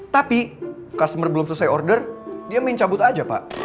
tapi customer belum selesai order dia main cabut aja pak